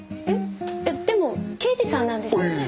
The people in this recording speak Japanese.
えっでも刑事さんなんですよね？